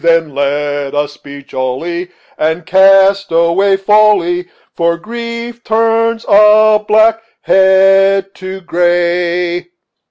Then let us be jolly And cast away folly, For grief turns a black head to gray."